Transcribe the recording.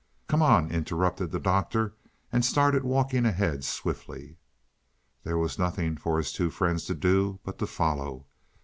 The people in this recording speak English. "Come on," interrupted the Doctor, and started walking ahead swiftly. There was nothing for his two friends to do but to follow.